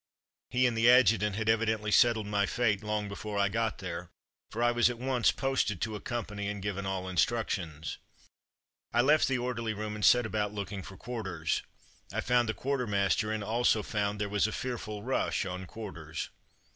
He and the adjutant had evidently settled my fate long before I got there, for I was at once posted to a company and given all instruc tions. I left the orderly room and set about looking for quar ters. I found the quartermaster, and also found that there was a fearful rush on quarters.